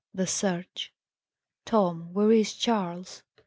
THE SEARCH. "Tom, where is Charles?"